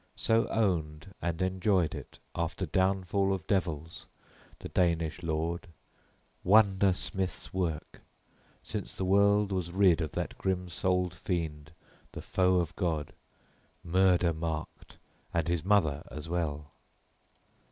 So owned and enjoyed it after downfall of devils, the Danish lord, wonder smiths' work, since the world was rid of that grim souled fiend, the foe of God, murder marked, and his mother as well.